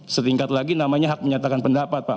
setingkat lagi namanya hak menyatakan pendapat pak